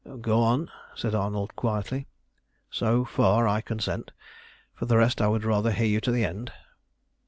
"Go on," said Arnold quietly; "so far I consent. For the rest I would rather hear you to the end."